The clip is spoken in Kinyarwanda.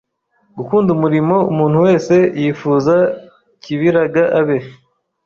Gukunda umurimo umuntu wese yifuza kibiraga abe